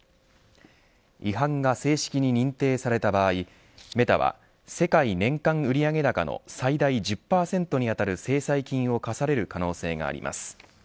違反が正式に認定された場合メタは世界年間売上高の最大１０％に当たる制裁金を科される可能性があります。